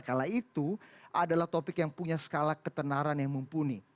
kala itu adalah topik yang punya skala ketenaran yang mumpuni